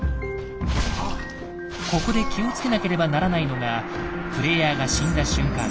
ここで気をつけなければならないのがプレイヤーが死んだ瞬間